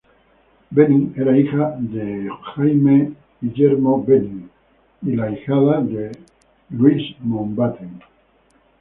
Benning era hija de James William Benning y la ahijada de Luis Mountbatten.